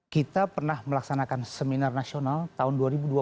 kita pernah melaksanakan seminar nasional tahun dua ribu dua puluh